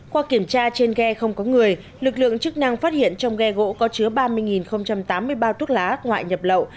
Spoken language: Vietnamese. qua kiểm tra trên ghe không có người lực lượng chức năng phát hiện trong ghe gỗ có chứa ba mươi tám mươi bao thuốc lá ngoại nhập lậu